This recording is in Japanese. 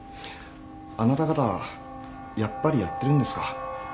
あなた方やっぱりやってるんですか？